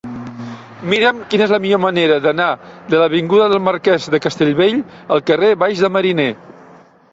Mira'm quina és la millor manera d'anar de l'avinguda del Marquès de Castellbell al carrer Baix de Mariner.